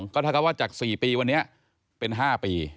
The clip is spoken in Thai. ก็เท่ากับว่าจาก๔ปีวันนี้เป็น๕ปี